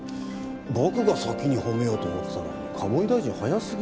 僕が先に褒めようと思ってたのに鴨井大臣早すぎ。